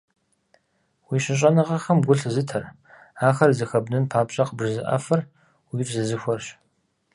Уи щыщӀэныгъэхэм гу лъызытэр, ахэр зэхэбнын папщӀэ къыбжезыӀэфыр, уифӀ зезыхуэрщ.